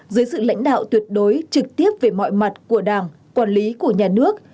dưới sự lãnh đạo tuyệt đối trực tiếp về mọi mặt của đảng quản lý của nhà nước